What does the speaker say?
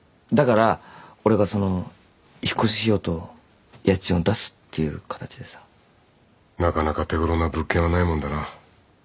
だから俺がその引っ越し費用と家賃を出すっていう形でさ。なかなか手ごろな物件はないもんだな。